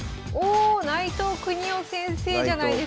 お内藤國雄先生じゃないですか！